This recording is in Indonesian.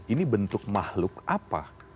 ini bentuk mahluk apa